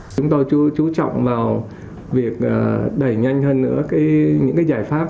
chúng tôi chú trọng vào việc đẩy nhanh hơn nữa những giải pháp